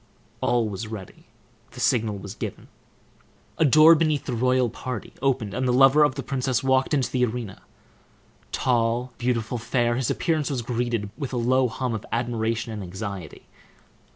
All was ready. The signal was given. A door beneath the royal party opened, and the lover of the princess walked into the arena. Tall, beautiful, fair, his appearance was greeted with a low hum of admiration and anxiety.